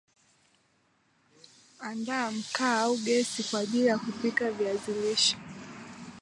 Andaa mkaa au gesi kwa ajili ya kupika viazi lishe